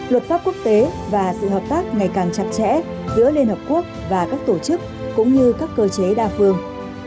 luật pháp quốc tế và sự hợp tác ngày càng chặt chẽ giữa liên hợp quốc và các tổ chức cũng như các cơ chế đa phương